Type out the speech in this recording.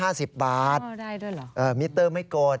ได้ด้วยเหรอเออมิเตอร์ไม่กด